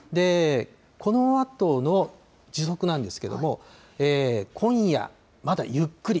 このあとの時速なんですけれども、今夜、まだゆっくり。